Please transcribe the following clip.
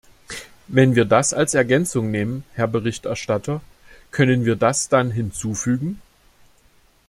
Wenn wir das als Ergänzung nehmen, Herr Berichterstatter, können wir das dann hinzufügen?